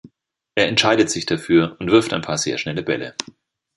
Er entscheidet sich dafür und wirft ein paar sehr schnelle Bälle.